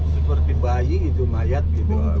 seperti bayi itu mayat gitu